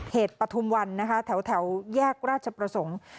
ปฐุมวันนะคะแถวแยกราชประสงค์